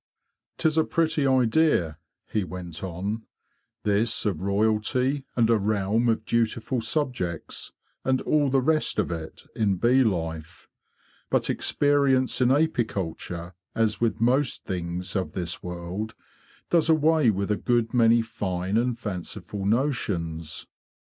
"°?Tis a pretty idea,' he went on, '' this of royalty, and a realm of dutiful subjects, and all the rest of it, in bee life. But experience in apiculture, as with most things of this world, does away with a good many fine and fanciful notions.